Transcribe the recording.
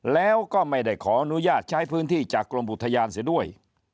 แล้วก็ไม่ได้ขออนุญาตใช้พื้นที่จากกรมอุทยานเสียด้วย